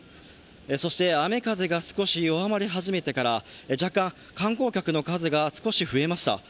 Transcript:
そして、雨風が少し弱まり始めてから観光客の数が少し増えました。